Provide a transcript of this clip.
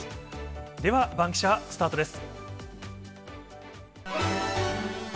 では、バンキシャ、スタートです。